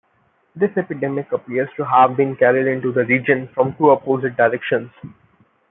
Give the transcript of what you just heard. This epidemic appears to have been carried into the region from two opposing directions.